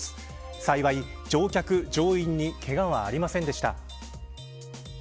幸い、乗客、乗員にけがはありませんでした。